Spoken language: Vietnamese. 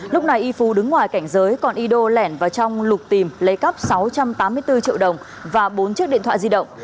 lúc này y phú đứng ngoài cảnh giới còn yo lẻn vào trong lục tìm lấy cắp sáu trăm tám mươi bốn triệu đồng và bốn chiếc điện thoại di động